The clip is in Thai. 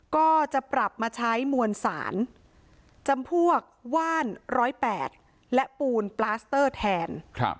ก็จะปรับมาใช้มวลสารจำพวกว่านร้อยแปดและปูนแทน